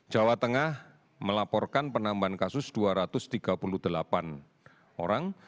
jawa tengah melaporkan penambahan kasus dua ratus tiga puluh delapan orang